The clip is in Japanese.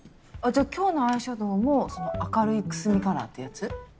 じゃあ今日のアイシャドーもその明るいくすみカラーってやつ？